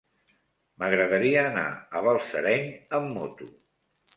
M'agradaria anar a Balsareny amb moto.